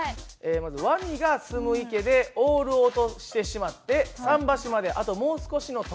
まずワニが住む池でオールを落としてしまって桟橋まであともう少しの所という事ですね。